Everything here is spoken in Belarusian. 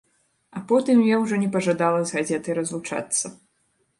А потым я ўжо не пажадала з газетай разлучацца.